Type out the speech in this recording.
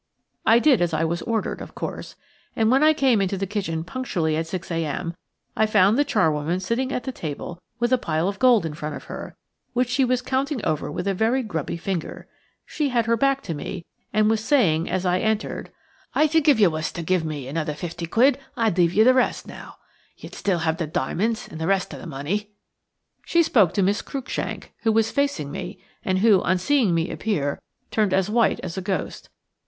I did as I was ordered, of course, and when I came into the kitchen punctually at six a.m. I found the charwoman sitting at the table with a pile of gold in front of her, which she was counting over with a very grubby finger. She had her back to me, and was saying as I entered: "I think if you was to give me another fifty quid I'd leave you the rest now. You'd still have the diamonds and the rest of the money." She spoke to Miss Cruikshank, who was facing me, and who, on seeing me appear, turned as white as a ghost.